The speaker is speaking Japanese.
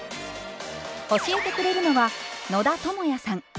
教えてくれるのは野田智也さん。